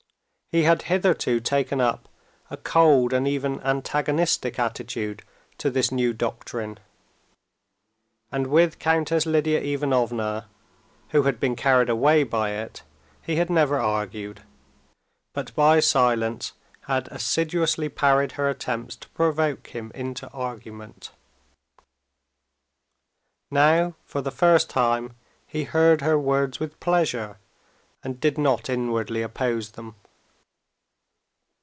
He had hitherto taken up a cold and even antagonistic attitude to this new doctrine, and with Countess Lidia Ivanovna, who had been carried away by it, he had never argued, but by silence had assiduously parried her attempts to provoke him into argument. Now for the first time he heard her words with pleasure, and did not inwardly oppose them.